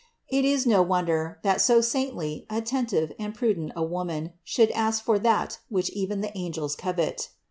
It is no wonder, that so saintly, attentive and prudent a woman should ask for that which even the angels coveted.